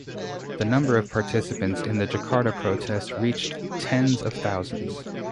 The number of participants in the Jakarta protest reached tens of thousands.